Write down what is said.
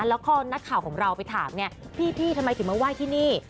แล้วก็นักข่าวของเราไปถามไงพี่ทำไมถึงมาไหว้ที่นี่